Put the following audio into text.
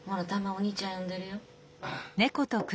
お兄ちゃん呼んでるよ。